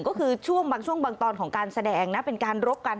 ก็คือช่วงบางช่วงบางตอนของการแสดงนะเป็นการรบกัน